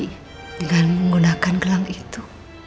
dengan menggunakan gelang itu